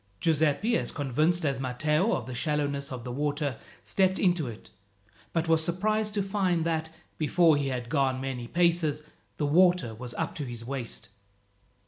Giuseppi, as convinced as Matteo of the shallowness of the water, stepped into it, but was surprised to find that, before he had gone many paces, the water was up to his waist.